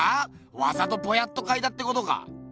わざとぼやっと描いたってことか。